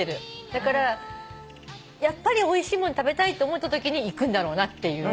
だからやっぱりおいしいもの食べたいって思ったときにいくんだろうなっていう。